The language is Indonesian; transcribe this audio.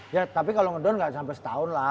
ya tapi kalau ngedown nggak sampai setahun lah